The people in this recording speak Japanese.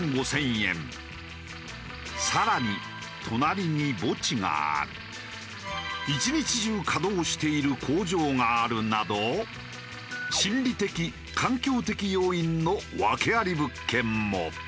更に隣に墓地がある一日中稼働している工場があるなど心理的環境的要因の訳あり物件も。